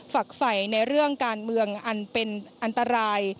ฝักใส่ในเรื่องการเมืองอันเป็นอันตราย